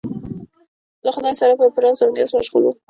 له خدایه سره به په راز و نیاز مشغول و.